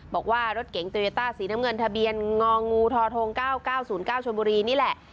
บอกว่ารถเก๋งโตโยต้าสีน้ำเงินทะเบียนงองูทท๙๙๐๙ชนบุรีนี่แหละ